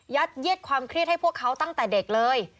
เย็ดความเครียดให้พวกเขาตั้งแต่เด็กเลย